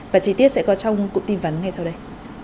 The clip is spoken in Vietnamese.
và chi tiết sẽ có trong cụm tin vắn ngay sau đây